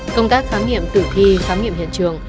công tác khám nghiệm tử thi khám nghiệm hiện trường